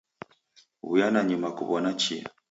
W'uya nanyuma kuw'ona chia.